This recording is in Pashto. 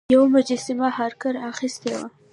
یوه مجسمه هارکر اخیستې وه.